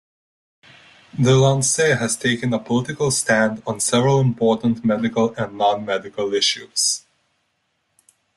"The Lancet" has taken a political stand on several important medical and non-medical issues.